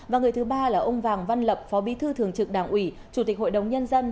và người thứ ba là ông vàng văn lập phó bí thư thường trực đảng ủy chủ tịch hội đồng nhân dân